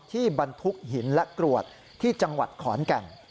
บรรทุกหินและกรวดที่จังหวัดขอนแก่น